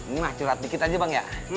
ini mah curhat dikit aja bang ya